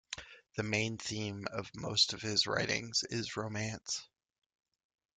The main theme of most of his writings is romance.